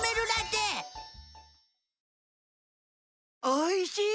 おいしい！